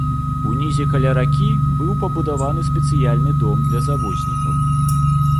Унізе каля ракі быў пабудаваны спецыяльны дом для завознікаў.